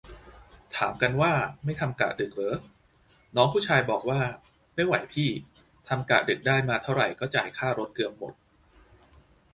ถามกันว่า ไม่ทำกะดึกเหรอ น้องผู้ชายบอกว่า ไม่ไหวพี่ ทำกะดึกได้มาเท่าไหร่ก็จ่ายค่ารถเกือบหมด